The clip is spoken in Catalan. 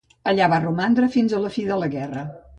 Allà va romandre fins a la fi de la guerra.